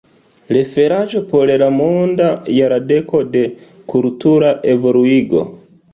Referaĵo por la Monda Jardeko de Kultura Evoluigo.